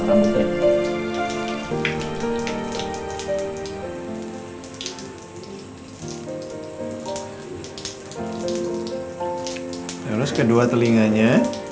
terus kedua telinganya